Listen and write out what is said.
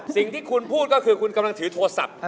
สิ่งที่คุณพูดก็คือคุณกำลังถือโทรศัพท์